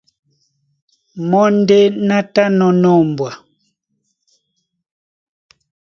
Mɔ́ ndé ná tánɔ̄ ná ombwa.